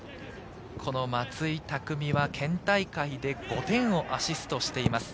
松井匠は県大会で５点をアシストしています。